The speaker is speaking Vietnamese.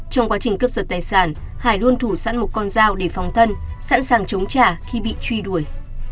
trong quá trình cấp giật tài sản hải luôn thủ sẵn một con dao để phòng thân sẵn sàng chống trả khi bị truy đuổi